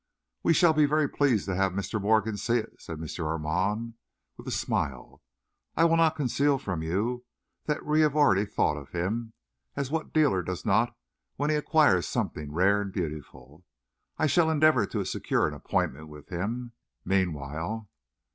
"We shall be very pleased to have Mr. Morgan see it," said M. Armand, with a smile. "I will not conceal from you that we had already thought of him as what dealer does not when he acquires something rare and beautiful? I shall endeavour to secure an appointment with him. Meanwhile...."